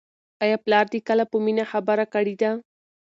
آیا پلار دې کله په مینه خبره کړې ده؟